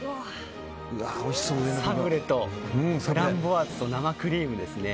サブレとフランボワーズと生クリームですね。